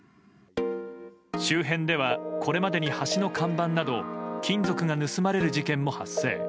周辺ではこれまでに橋の看板など金属が盗まれる事件も発生。